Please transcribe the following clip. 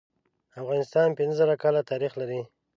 افغانستان پینځه زره کاله تاریخ لري.